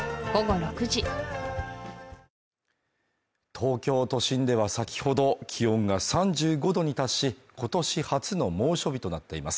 東京都心では先ほど、気温が３５度に達し、今年初の猛暑日となっています。